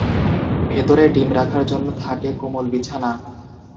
ভেতরে ডিম রাখার জন্য থাকে কোমল বিছানা।